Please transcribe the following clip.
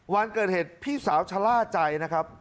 วันเกิดเหตุพี่สาวชะล่าใจนะครับ